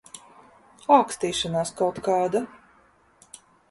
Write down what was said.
Ākstīšanās kaut kāda.